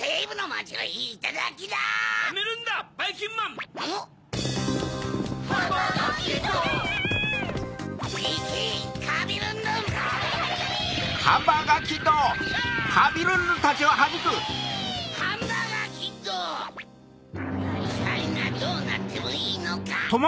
ふたりがどうなってもいいのか！